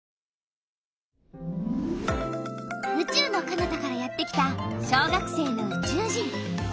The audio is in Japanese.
うちゅうのかなたからやってきた小学生のうちゅう人。